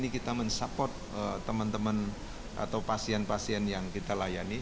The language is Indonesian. kita mensupport teman teman atau pasien pasien yang kita layani